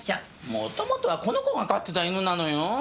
もともとはこの子が飼ってた犬なのよ。